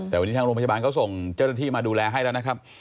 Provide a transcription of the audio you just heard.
แต่วันนี้ทางโรงพยาบาลเขาส่งเจ้าหน้าที่มาดูแลให้แล้วนะครับ